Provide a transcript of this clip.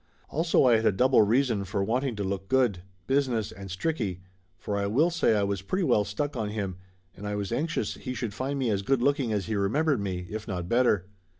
Also I had a double reason for wanting to look good business, and Stricky, for I will say I was pretty well stuck on him, and I was anxious he should find me as good looking as he remembered me, if not better.